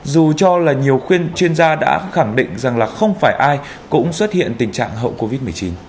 dù cho là nhiều chuyên gia đã khẳng định rằng là không phải ai cũng xuất hiện tình trạng hậu covid một mươi chín